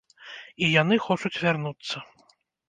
І яны хочуць вярнуцца.